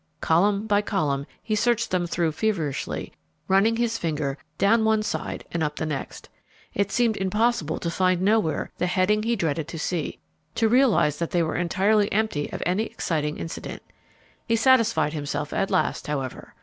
Column by column he searched them through feverishly, running his finger down one side and up the next. It seemed impossible to find nowhere the heading he dreaded to see, to realize that they were entirely empty of any exciting incident. He satisfied himself at last, however.